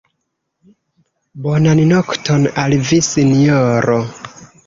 Bonan nokton al vi, sinjoro.